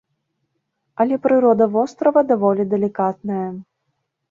Але прырода вострава даволі далікатная.